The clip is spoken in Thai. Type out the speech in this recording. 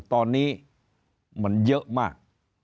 ตอนนี้มันเยอะมาก